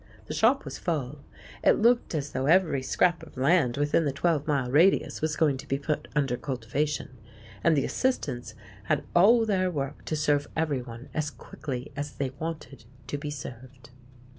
The shop was full—it looked as though every scrap of land within the twelve mile radius was going to be put under cultivation—and the assistants had all their work to serve everyone as quickly as they wanted to be served.